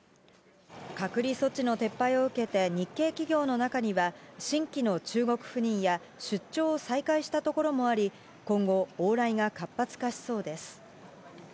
隔離措置の撤廃を受けて、日系企業の中には、新規の中国赴任や出張を再開したところもあり、今後、往来が活発化しそうです。